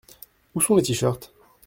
Où sont les tee-shirts ?